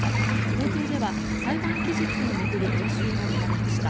法廷では裁判期日を巡る応酬も見られました。